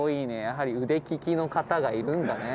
やはり腕利きの方がいるんだね。